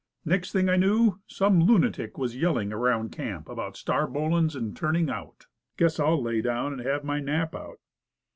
Next thing I knew, some lunatic was yelling around camp about 'starbolin's,' and 'turning out.' Guess I'll lay down and have my nap out."